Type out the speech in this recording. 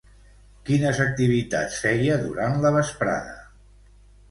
Quines activitats feia durant la vesprada?